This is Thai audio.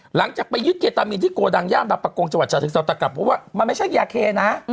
หลังจากไปยึดเคตามีนที่โกดังย่านบางประกงจังหวัดชาเชิงเซาตากลับเพราะว่ามันไม่ใช่ยาเคนะ